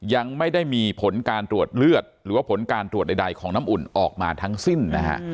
ยังไม่ได้มีผลการตรวจเลือดหรือว่าผลการตรวจใดของน้ำอุ่นออกมาทั้งสิ้นนะฮะ